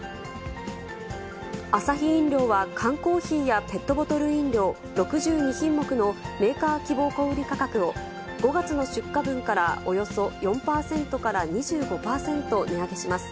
アサヒ飲料は缶コーヒーやペットボトル飲料、６２品目のメーカー希望小売り価格を、５月の出荷分からおよそ４％から２５％値上げします。